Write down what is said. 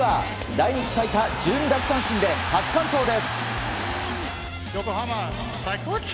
来日最多１２奪三振で初完投です。